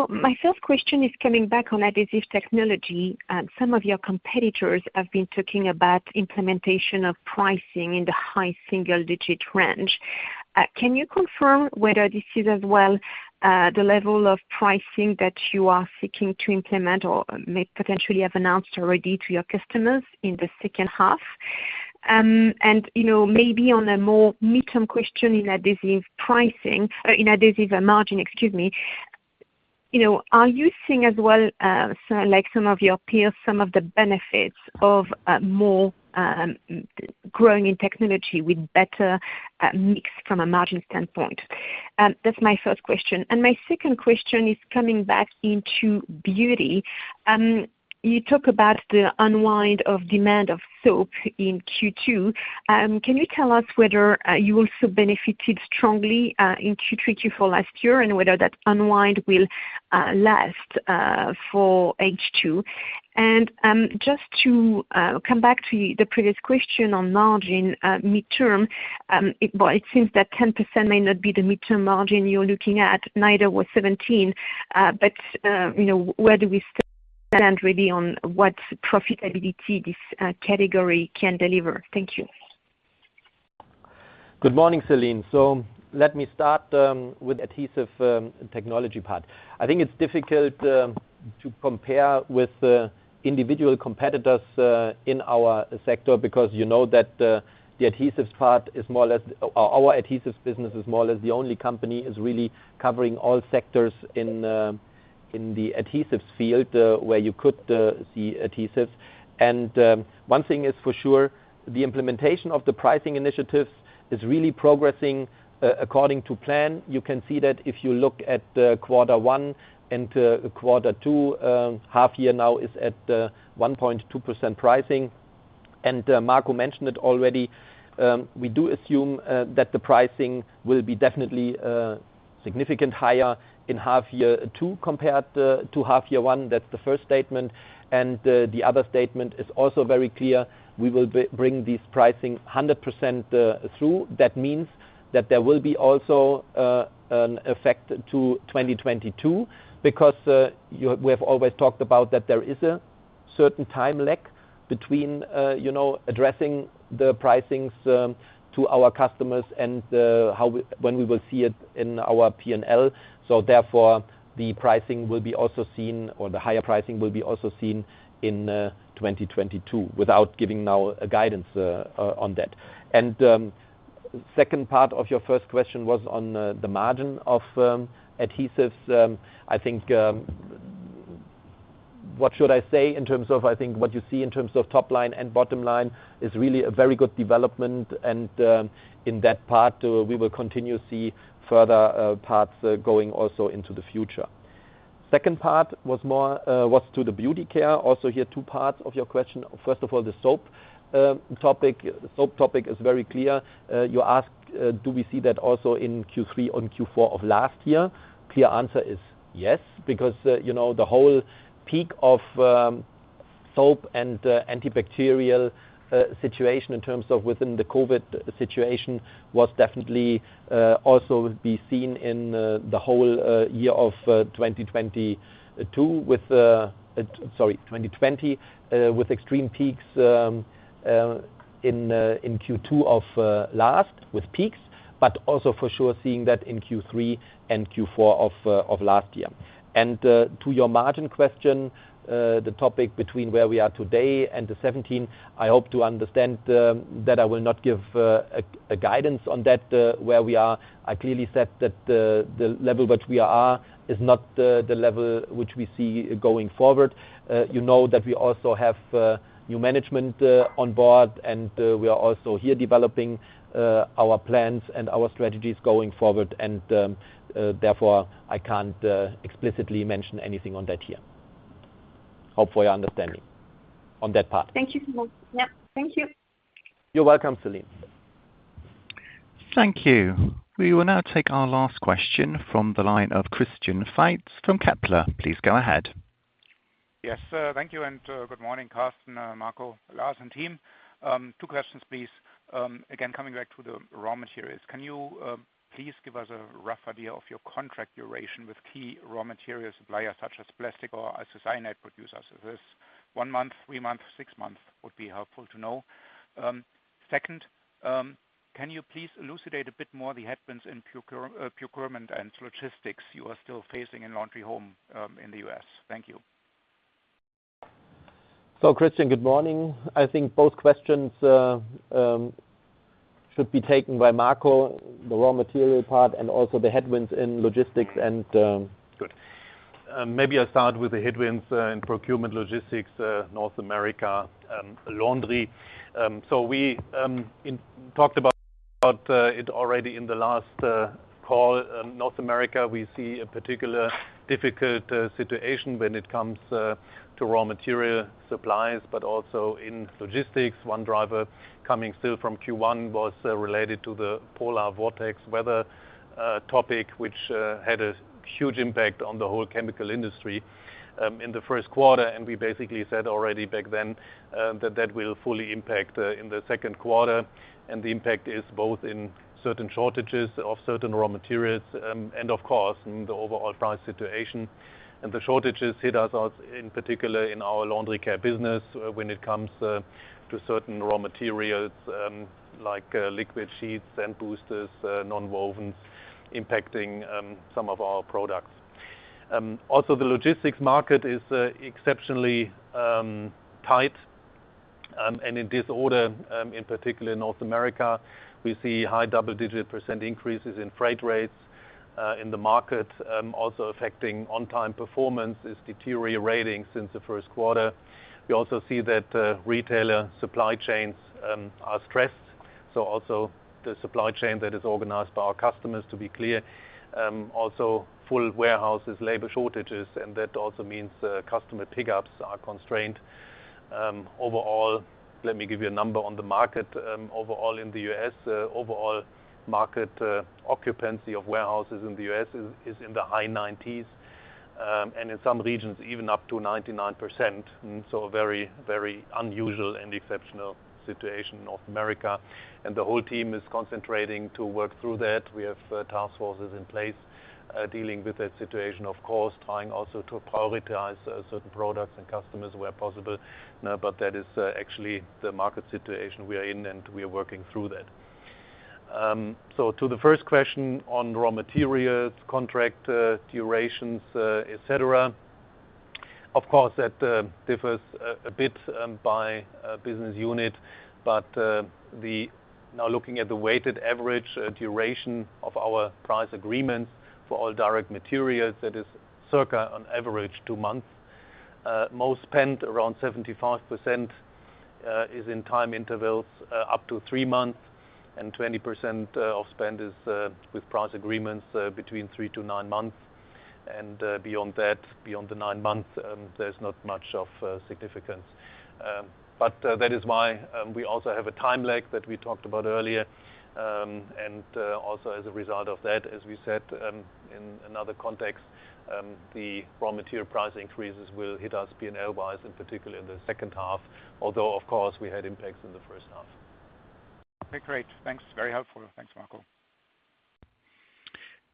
My first question is coming back on Adhesive Technology. Some of your competitors have been talking about implementation of pricing in the high single-digit range. Can you confirm whether this is as well the level of pricing that you are seeking to implement or may potentially have announced already to your customers in the second half? Maybe on a more midterm question in Adhesive margin, are you seeing as well, like some of your peers, some of the benefits of more growing in technology with better mix from a margin standpoint? That's my first question. My second question is coming back into Beauty. You talk about the unwind of demand of soap in Q2. Can you tell us whether you also benefited strongly in Q3, Q4 last year and whether that unwind will last for H2? Just to come back to the previous question on margin midterm, it seems that 10% may not be the midterm margin you're looking at, neither was 17%, where do we stand really on what profitability this category can deliver? Thank you. Good morning, Celine. Let me start with Adhesive Technologies part. I think it's difficult to compare with individual competitors in our sector because you know that our adhesives business is more or less the only company is really covering all sectors in the adhesives field where you could see adhesives. One thing is for sure, the implementation of the pricing initiatives is really progressing according to plan. You can see that if you look at quarter one and quarter two, half year now is at 1.2% pricing. Marco mentioned it already, we do assume that the pricing will be definitely significant higher in half year two compared to half year one. That's the first statement. The other statement is also very clear. We will bring these pricing 100% through. That means that there will be also an effect to 2022 because we have always talked about that there is a certain time lag between addressing the pricings to our customers and when we will see it in our P&L. Therefore, the higher pricing will be also seen in 2022 without giving now a guidance on that. Second part of your first question was on the margin of adhesives. I think what you see in terms of top line and bottom line is really a very good development and, in that part, we will continue to see further parts going also into the future. Second part was to the Beauty Care. Also here, two parts of your question. First of all, the soap topic is very clear. You asked, do we see that also in Q3 on Q4 of last year? Clear answer is yes, because the whole peak of soap and antibacterial situation in terms of within the COVID situation was definitely also be seen in the whole year of 2020 with extreme peaks in Q2 of last year, with peaks, but also for sure seeing that in Q3 and Q4 of last year. To your margin question, the topic between where we are today and the 17, I hope to understand that I will not give a guidance on that, where we are. I clearly said that the level that we are is not the level which we see going forward. You know that we also have new management on board, and we are also here developing our plans and our strategies going forward. Therefore I can't explicitly mention anything on that here. Hope for your understanding on that part. Thank you so much. Yeah. Thank you. You're welcome, Celine. Thank you. We will now take our last question from the line of Christian Faitz from Kepler Cheuvreux. Please go ahead. Yes. Thank you and good morning, Carsten, Marco, Lars, and team. Two questions, please. Coming back to the raw materials. Can you please give us a rough idea of your contract duration with key raw material suppliers such as plastic or isocyanate producers? Is this one month, three months, six months? Would be helpful to know. Second, can you please elucidate a bit more the headwinds in procurement and logistics you are still facing in Laundry Home in the U.S.? Thank you. Christian, good morning. I think both questions should be taken by Marco, the raw material part and also the headwinds in logistics. Good. Maybe I start with the headwinds in procurement logistics, North America Laundry. We talked about it already in the last call. North America, we see a particular difficult situation when it comes to raw material supplies, but also in logistics. One driver coming still from Q1 was related to the polar vortex weather topic, which had a huge impact on the whole chemical industry in the first quarter. We basically said already back then that that will fully impact in the second quarter. The impact is both in certain shortages of certain raw materials, and of course, in the overall price situation. The shortages hit us in particular in our laundry care business when it comes to certain raw materials, like liquid sheets and boosters, non-wovens, impacting some of our products. The logistics market is exceptionally tight, and in disorder, in particular in North America. We see high double-digit percentage increases in freight rates in the market, also affecting on-time performance is deteriorating since the first quarter. We also see that retailer supply chains are stressed, also the supply chain that is organized by our customers, to be clear. Full warehouses, labor shortages, that also means customer pickups are constrained. Let me give you a number on the market. In the U.S., overall market occupancy of warehouses in the U.S. is in the high 90s. In some regions, even up to 99%. A very unusual and exceptional situation in North America. The whole team is concentrating to work through that. We have task forces in place dealing with that situation, of course, trying also to prioritize certain products and customers where possible. That is actually the market situation we are in, and we are working through that. To the first question on raw materials, contract durations, etc. Of course, that differs a bit by business unit. Now looking at the weighted average duration of our price agreements for all direct materials, that is circa on average two months. Most spent, around 75%, is in time intervals up to three months, and 20% of spend is with price agreements between three to nine months. Beyond that, beyond the nine months, there's not much of significance. That is why we also have a time lag that we talked about earlier. Also as a result of that, as we said in another context, the raw material price increases will hit us P&L wise, in particular in the second half, although of course we had impacts in the first half. Okay, great. Thanks. Very helpful. Thanks, Marco.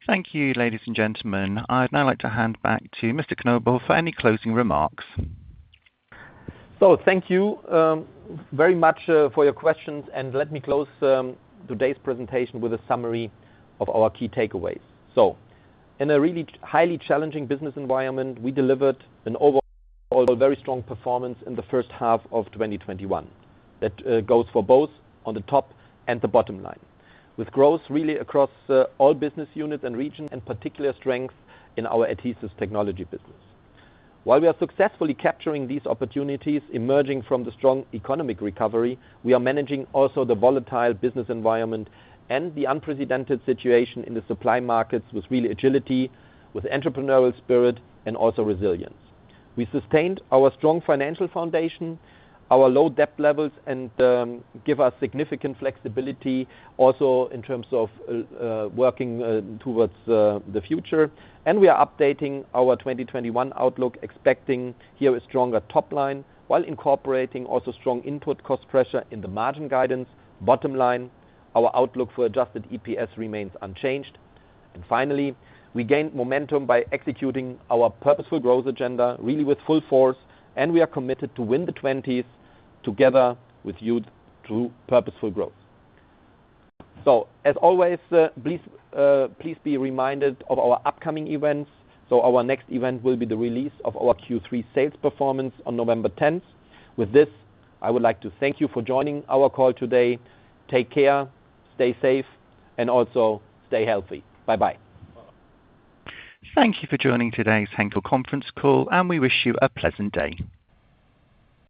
Thank you, ladies and gentlemen. I'd now like to hand back to Mr. Knobel for any closing remarks. Thank you very much for your questions, and let me close today's presentation with a summary of our key takeaways. In a really highly challenging business environment, we delivered an overall very strong performance in the first half of 2021. That goes for both on the top and the bottom line, with growth really across all business units and regions, and particular strength in our Adhesive Technologies business. While we are successfully capturing these opportunities emerging from the strong economic recovery, we are managing also the volatile business environment and the unprecedented situation in the supply markets with really agility, with entrepreneurial spirit, and also resilience. We sustained our strong financial foundation, our low debt levels, and give us significant flexibility also in terms of working towards the future. We are updating our 2021 outlook, expecting here a stronger top line while incorporating also strong input cost pressure in the margin guidance. Bottom line, our outlook for adjusted EPS remains unchanged. Finally, we gained momentum by executing our purposeful growth agenda really with full force, and we are committed to win the '20s together with you through purposeful growth. As always, please be reminded of our upcoming events. Our next event will be the release of our Q3 sales performance on November 10th. With this, I would like to thank you for joining our call today. Take care, stay safe, and also stay healthy. Bye bye. Thank you for joining today's Henkel conference call, and we wish you a pleasant day.